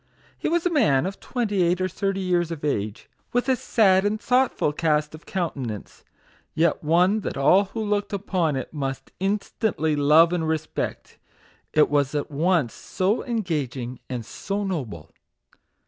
He was a man of twenty eight or thirty years of age, with a sad and thoughtful cast of countenance, yet one that all who looked upon it must instantly love and respect ; it was at once so engaging and so noble.